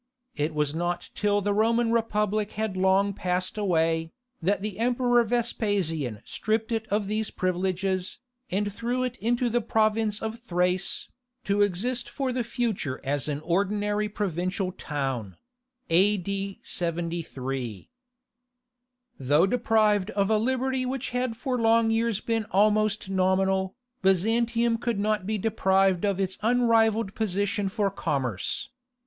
It was not till the Roman Republic had long passed away, that the Emperor Vespasian stripped it of these privileges, and threw it into the province of Thrace, to exist for the future as an ordinary provincial town [A.D. 73]. Though deprived of a liberty which had for long years been almost nominal, Byzantium could not be deprived of its unrivalled position for commerce.